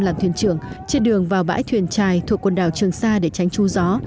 làm thuyền trưởng trên đường vào bãi thuyền trài thuộc quần đảo trường sa để tránh chú gió